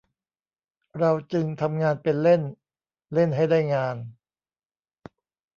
เราจึงทำงานเป็นเล่น เล่นให้ได้งาน